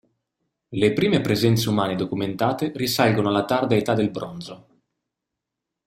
Le prime presenze umane documentate risalgono alla tarda età del bronzo.